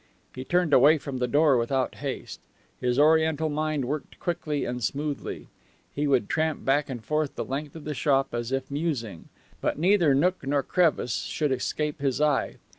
He turned away from the door without haste. His Oriental mind worked quickly and smoothly. He would tramp back and forth the length of the shop as if musing, but neither nook nor crevice should escape his eye.